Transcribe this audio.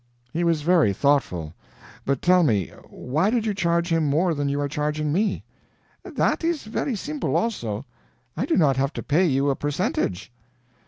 "He was very thoughtful. But tell me why did you charge him more than you are charging me?" "That is very simple, also: I do not have to pay you a percentage."